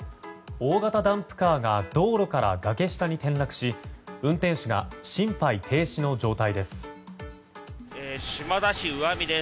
大型ダンプカーが道路から崖下に転落し運転手が心肺停止の状態です。